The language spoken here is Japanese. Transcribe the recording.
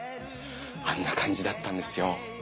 あんなかんじだったんですよ。